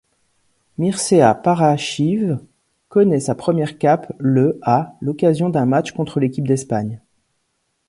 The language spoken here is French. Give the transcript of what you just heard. Mircea Paraschiv connaît sa première cape le à l'occasion d'un match contre l'équipe d'Espagne.